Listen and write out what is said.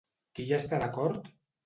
Qui hi està d'acord?